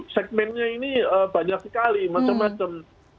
segmennya ini banyak sekali macam macam